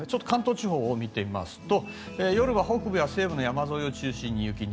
関東地方を見てみますと夜は北部や西部の山沿いを中心に雪。